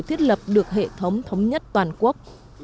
thiết lập được hệ thống thống nhất toàn quốc